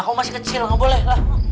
kamu masih kecil gak boleh lah